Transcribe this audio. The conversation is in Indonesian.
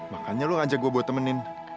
makanya lu ngajak gua buat temenin